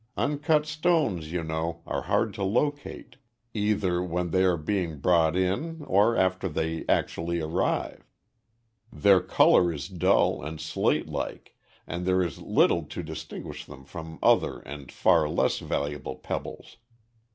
Uncut stones, you know, are hard to locate, either when they are being brought in or after they actually arrive. Their color is dull and slatelike and there is little to distinguish them from other and far less valuable pebbles.